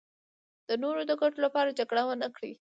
د نورو د ګټو لپاره جګړه ونکړي.